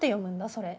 それ。